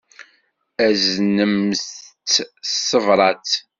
Aznemt-tt s tebṛat.